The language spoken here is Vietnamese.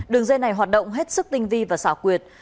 đường dây này hoạt động hết sức tinh vi và xảo quyệt